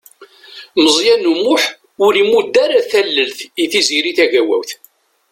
Meẓyan U Muḥ ur imudd ara tallelt i Tiziri Tagawawt.